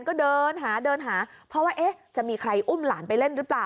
ก็เดินหาเดินหาเพราะว่าเอ๊ะจะมีใครอุ้มหลานไปเล่นหรือเปล่า